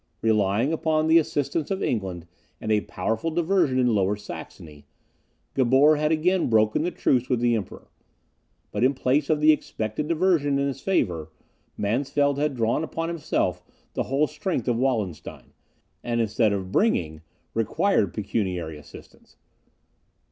Relying upon the assistance of England, and a powerful diversion in Lower Saxony, Gabor had again broken the truce with the Emperor. But in place of the expected diversion in his favour, Mansfeld had drawn upon himself the whole strength of Wallenstein, and instead of bringing, required, pecuniary assistance.